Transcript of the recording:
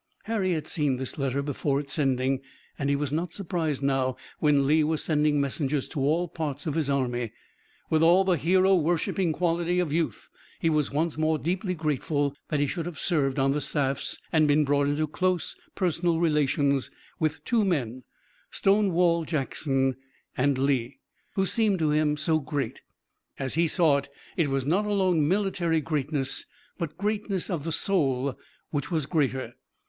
Harry had seen this letter before its sending, and he was not surprised now when Lee was sending messengers to all parts of his army. With all the hero worshiping quality of youth he was once more deeply grateful that he should have served on the staffs and been brought into close personal relations with two men, Stonewall Jackson and Lee, who seemed to him so great. As he saw it, it was not alone military greatness but greatness of the soul, which was greater.